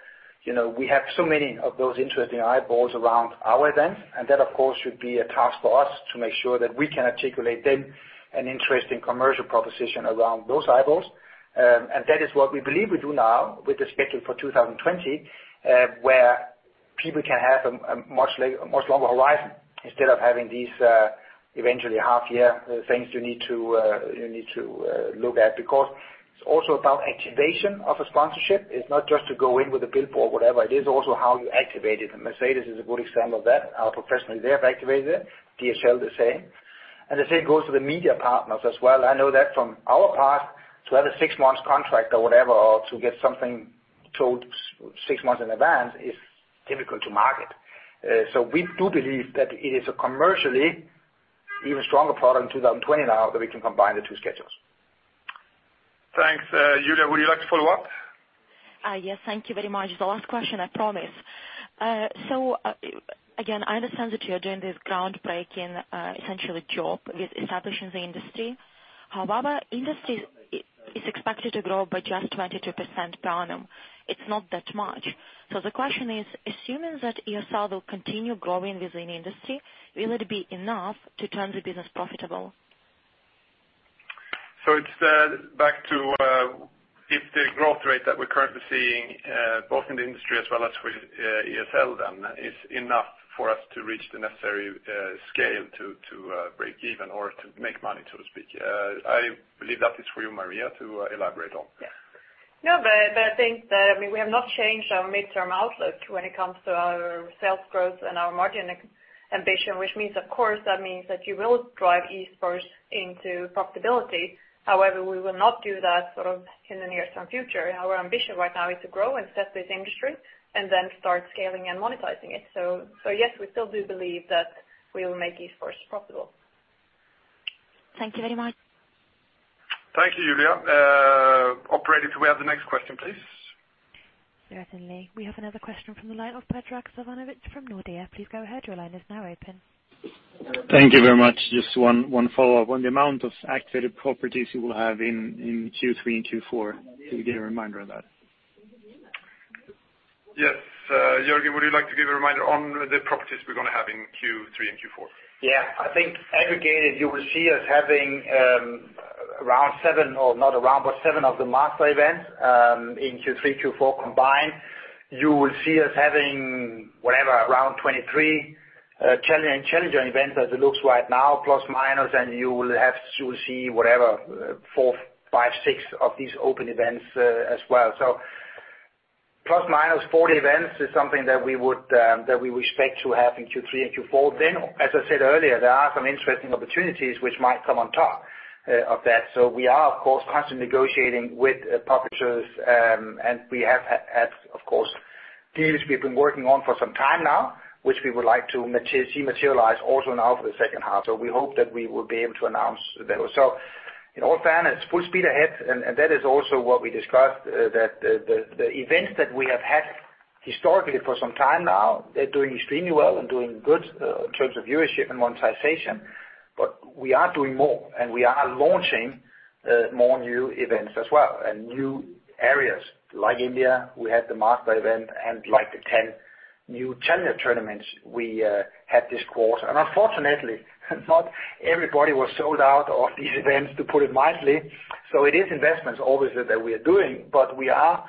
we have so many of those interesting eyeballs around our event, and that, of course, should be a task for us to make sure that we can articulate them an interesting commercial proposition around those eyeballs. That is what we believe we do now with the schedule for 2020, where people can have a much longer horizon instead of having these eventually half-year things you need to look at, because it is also about activation of a sponsorship. It is not just to go in with a billboard, whatever, it is also how you activate it. Mercedes is a good example of that. Our professionals there have activated it, DHL the same. The same goes for the media partners as well. I know that from our part, to have a six months contract or whatever, or to get something told six months in advance is difficult to market. We do believe that it is a commercially even stronger product in 2020 now that we can combine the two schedules. Thanks. Julia, would you like to follow up? Yes, thank you very much. The last question, I promise. Again, I understand that you're doing this groundbreaking, essentially, job with establishing the industry. However, industry is expected to grow by just 22% per annum. It's not that much. The question is, assuming that ESL will continue growing within the industry, will it be enough to turn the business profitable? It's back to if the growth rate that we're currently seeing, both in the industry as well as with ESL, then, is enough for us to reach the necessary scale to break even or to make money, so to speak. I believe that is for you, Maria, to elaborate on. Yes. I think that we have not changed our midterm outlook when it comes to our sales growth and our margin ambition, which means, of course, that means that you will drive esports into profitability. However, we will not do that in the near term future. Our ambition right now is to grow and set this industry and then start scaling and monetizing it. We still do believe that we will make esports profitable. Thank you very much. Thank you, Julia. Operator, could we have the next question, please? Certainly. We have another question from the line of Predrag Savinovic from Nordea. Please go ahead. Your line is now open. Thank you very much. Just one follow-up on the amount of activated properties you will have in Q3 and Q4. Can you give me a reminder on that? Yes. Jørgen, would you like to give a reminder on the properties we're going to have in Q3 and Q4? I think aggregated, you will see us having around seven, or not around, but seven of the Master events in Q3, Q4 combined. You will see us having 23 Challenger events as it looks right now, plus, minus, and you will see four, five, six of these open events as well. ±40 events is something that we would expect to have in Q3 and Q4. As I said earlier, there are some interesting opportunities which might come on top of that. We are, of course, constantly negotiating with publishers, and we have had deals we've been working on for some time now, which we would like to see materialize also now for the second half. We hope that we will be able to announce those. In all fairness, full speed ahead. That is also what we discussed, that the events that we have had historically for some time now, they're doing extremely well and doing good in terms of viewership and monetization. We are doing more. We are launching more new events as well and new areas like India. We had the Master event and the 10 new Challenger tournaments we had this quarter. Unfortunately, not everybody was sold out of these events, to put it mildly. It is investments obviously that we are doing, but we are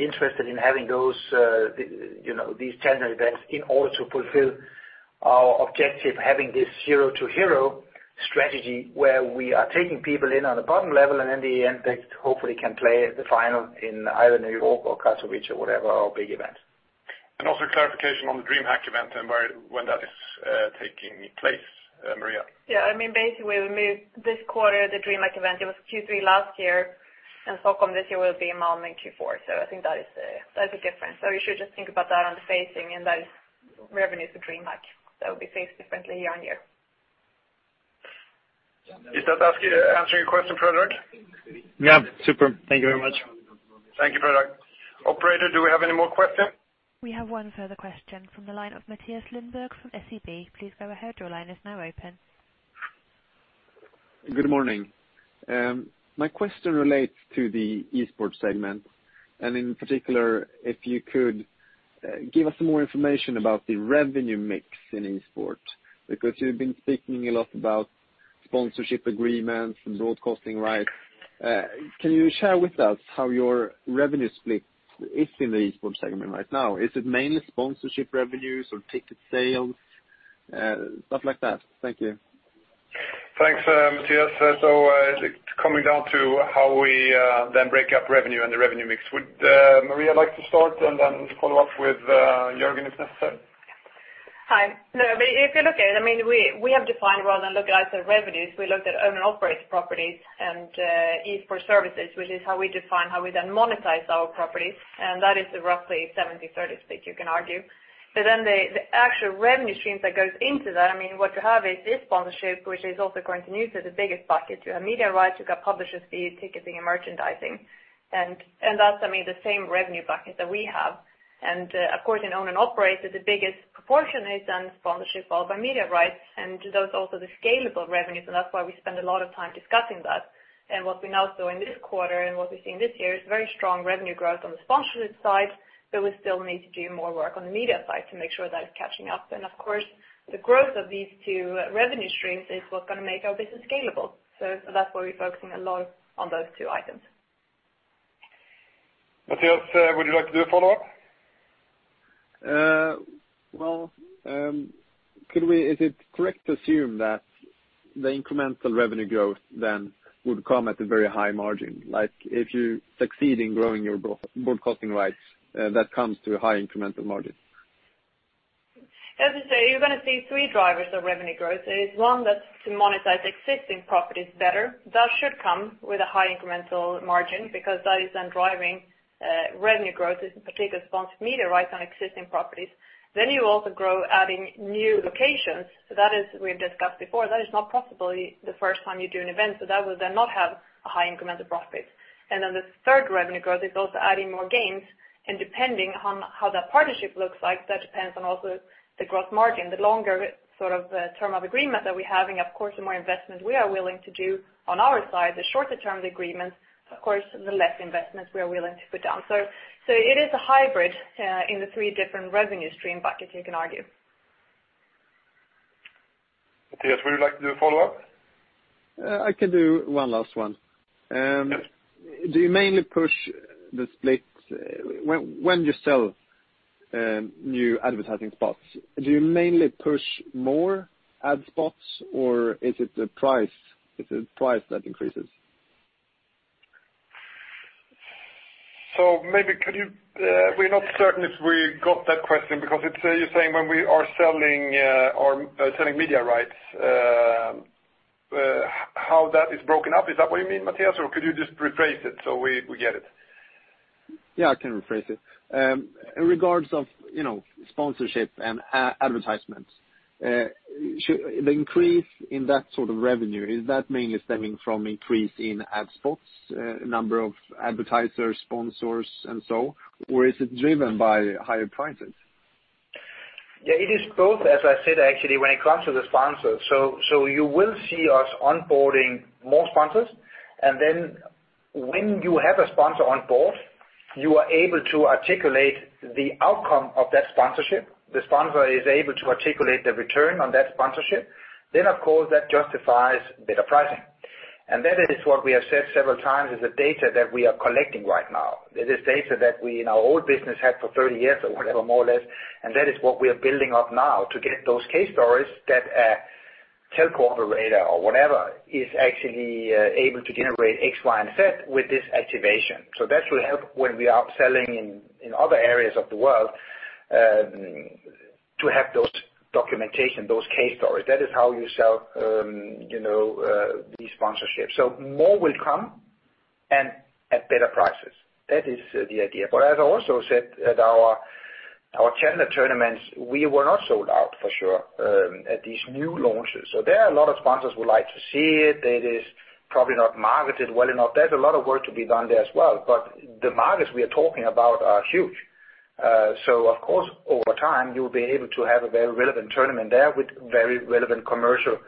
interested in having these Challenger events in order to fulfill our objective, having this zero-to-hero strategy where we are taking people in on the bottom level and in the end, they hopefully can play the final in either New York or Katowice or whatever our big event. Also clarification on the DreamHack event and when that is taking place. Maria? Yeah. Basically, we moved this quarter the DreamHack event. It was Q3 last year, and Stockholm this year will be in Q4. I think that's the difference. You should just think about that on the phasing, and that is revenue for DreamHack. That will be phased differently year on year. Is that answering your question, Predrag? Yeah. Super. Thank you very much. Thank you, Predrag. Operator, do we have any more questions? We have one further question from the line of Mathias Lundberg from SEB. Please go ahead. Your line is now open. Good morning. My question relates to the Esports segment, and in particular, if you could give us some more information about the revenue mix in Esports, because you've been speaking a lot about sponsorship agreements and broadcasting rights. Can you share with us how your revenue split is in the Esports segment right now? Is it mainly sponsorship revenues or ticket sales, stuff like that? Thank you. Thanks, Mathias. Coming down to how we then break up revenue and the revenue mix. Would Maria like to start and then follow up with Jørgen if necessary? Hi. If you look at it, we have defined rather than look at actual revenues, we looked at own and operate properties and Esport Services, which is how we define how we then monetize our properties, and that is roughly 70/30 split, you can argue. The actual revenue streams that goes into that, what you have is this sponsorship, which is also going to news as the biggest bucket. You have media rights, you got publishers fee, ticketing, and merchandising. That's the same revenue bucket that we have. Of course in own and operate, the biggest proportion is then sponsorship followed by media rights, those are also the scalable revenues, and that's why we spend a lot of time discussing that. What we now saw in this quarter and what we've seen this year is very strong revenue growth on the sponsorship side, but we still need to do more work on the media side to make sure that is catching up. Of course, the growth of these two revenue streams is what's going to make our business scalable. That's why we're focusing a lot on those two items. Mathias, would you like to do a follow-up? Well, is it correct to assume that the incremental revenue growth then would come at a very high margin? If you succeed in growing your broadcasting rights, that comes to a high incremental margin. As I say, you're going to see three drivers of revenue growth. There is one that's to monetize existing properties better. That should come with a high incremental margin because that is then driving revenue growth, in particular sponsored media rights on existing properties. You also grow adding new locations. That is, we've discussed before, that is not possible the first time you do an event, so that would then not have a high incremental profit. The third revenue growth is also adding more games, and depending on how that partnership looks like, that depends on also the gross margin. The longer term of agreement that we have, and of course, the more investment we are willing to do on our side, the shorter term the agreement, of course, the less investments we are willing to put down. It is a hybrid in the three different revenue stream buckets, you can argue. Mathias, would you like to do a follow-up? I can do one last one. Yes. When you sell new advertising spots, do you mainly push more ad spots or is it the price that increases? We're not certain if we got that question because you're saying when we are selling media rights, how that is broken up. Is that what you mean, Mathias? Could you just rephrase it so we get it? Yeah, I can rephrase it. In regards of sponsorship and advertisements, the increase in that sort of revenue, is that mainly stemming from increase in ad spots, number of advertisers, sponsors, and so? Is it driven by higher prices? It is both, as I said, actually, when it comes to the sponsors. You will see us onboarding more sponsors. When you have a sponsor on board, you are able to articulate the outcome of that sponsorship. The sponsor is able to articulate the return on that sponsorship. Of course, that justifies better pricing. That is what we have said several times is the data that we are collecting right now. It is data that we in our old business had for 30 years or whatever, more or less. That is what we are building up now to get those case stories that a telco operator or whatever is actually able to generate X, Y, and Z with this activation. That will help when we are out selling in other areas of the world, to have those documentation, those case stories. That is how you sell these sponsorships. More will come and at better prices. That is the idea. As I also said, at our general tournaments, we were not sold out for sure, at these new launches. There are a lot of sponsors who like to see it. That is probably not marketed well enough. There's a lot of work to be done there as well. The markets we are talking about are huge. Of course, over time, you'll be able to have a very relevant tournament there with very relevant commercial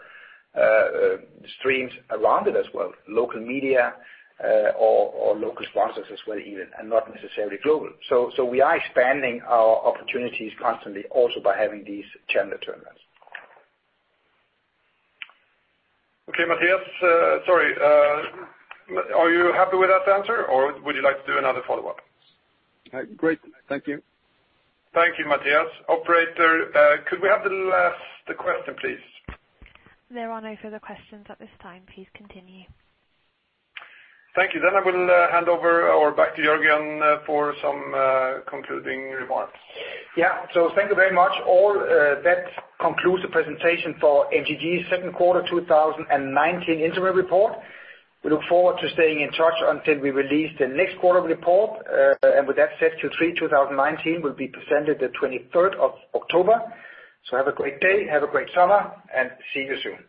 streams around it as well, local media, or local sponsors as well even, and not necessarily global. We are expanding our opportunities constantly also by having these general tournaments. Okay, Mathias. Sorry. Are you happy with that answer or would you like to do another follow-up? Great. Thank you. Thank you, Mathias. Operator, could we have the last question, please? There are no further questions at this time. Please continue. Thank you. I will hand over or back to Jørgen for some concluding remarks. Yeah. Thank you very much. All that concludes the presentation for MTG's second quarter 2019 interim report. We look forward to staying in touch until we release the next quarter report. With that set to Q3 2019 will be presented the 23rd of October. Have a great day, have a great summer, and see you soon.